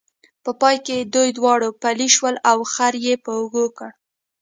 په پای کې دوی دواړه پلي شول او خر یې په اوږو کړ.